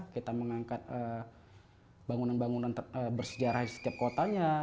kita mengangkat bangunan bangunan bersejarah di setiap kotanya